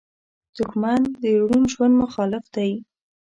دښمن د روڼ ژوند مخالف دی